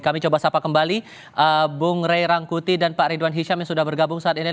kami coba sapa kembali bung ray rangkuti dan pak ridwan hisham yang sudah bergabung saat ini